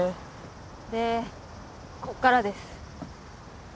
でこっからです。